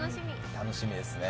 楽しみですね。